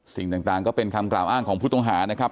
สิ่งต่างก็เป็นคำกล่าวอ้างของผู้ต้องหานะครับ